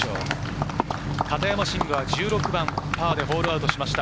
片山晋呉、１６番パーでホールアウトしました。